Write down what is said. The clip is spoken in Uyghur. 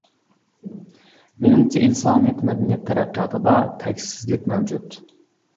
مېنىڭچە، ئىنسانىيەت مەدەنىيەت تەرەققىياتىدا تەكشىسىزلىك مەۋجۇت.